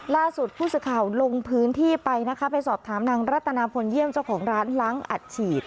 ล่าสุดผู้สื่อข่าวลงพื้นที่ไปนะคะไปสอบถามนางรัตนาพลเยี่ยมเจ้าของร้านล้างอัดฉีด